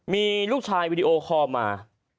มีลูกชายวีดีโอคอลมา